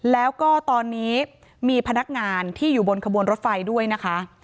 แล้วก็ตอนนี้มีพนักงานที่อยู่บนขบวนรถไฟด้วยนะคะ